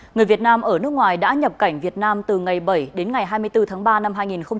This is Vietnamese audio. người việt nam ở nước ngoài đã nhập cảnh việt nam từ ngày bảy đến ngày hai mươi bốn tháng ba năm hai nghìn hai mươi